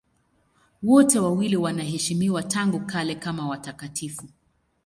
Wote wawili wanaheshimiwa tangu kale kama watakatifu.